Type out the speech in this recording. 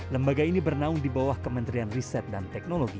lembaga ini bernaung di bawah kementerian riset dan teknologi